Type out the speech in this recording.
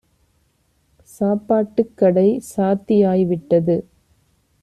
"சாப்பாட்டுக் கடை சாத்தியாய் விட்டது.